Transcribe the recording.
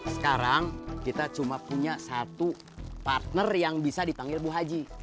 sekarang kita cuma punya satu partner yang bisa dipanggil bu haji